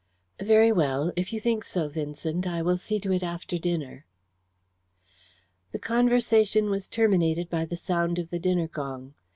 "Very well. If you think so, Vincent, I will see to it after dinner." The conversation was terminated by the sound of the dinner gong.